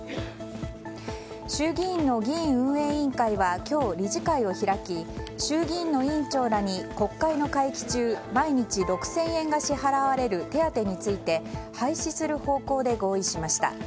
衆議院の議院運営委員会は今日、理事会を開き衆議院の委員長らに国会の会期中毎日６０００円が支払われる手当について廃止する方向で合意しました。